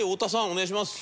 お願いします。